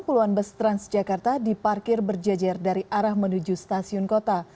puluhan bus transjakarta diparkir berjejer dari arah menuju stasiun kota